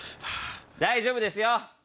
大丈夫ですよ！